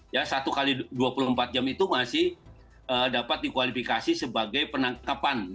ya satu x dua puluh empat jam itu masih dapat dikualifikasi sebagai penangkapan